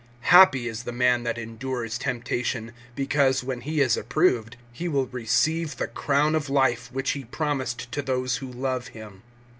(12)Happy is the man that endures temptation; because, when he is approved, he will receive the crown of life, which He promised to those who love him.